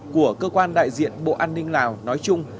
của cơ quan đại diện bộ an ninh lào nói chung